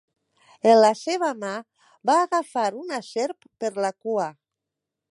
En la seva mà, va agafar una serp per la cua.